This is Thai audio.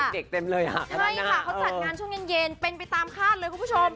เต็มเลยอ่ะใช่ค่ะเขาจัดงานช่วงเย็นเย็นเป็นไปตามคาดเลยคุณผู้ชม